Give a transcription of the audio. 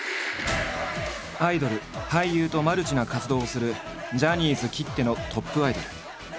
アイドル俳優とマルチな活動をするジャニーズきってのトップアイドル。